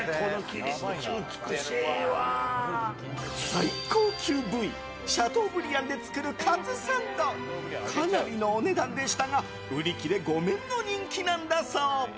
最高級部位シャトーブリアンで作るカツサンドかなりのお値段でしたが売り切れ御免の人気なんだそう。